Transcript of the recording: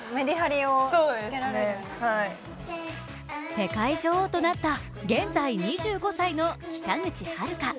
世界女王となった現在２５歳の北口榛花。